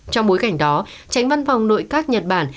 trong bối cảnh đó tránh văn phòng nội các nhật bản